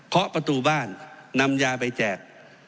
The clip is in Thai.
ขอประตูบ้านนำยาไปแจก